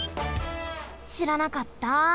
しらなかった！